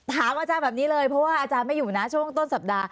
ถามอาจารย์แบบนี้เลยเพราะว่าอาจารย์ไม่อยู่นะช่วงต้นสัปดาห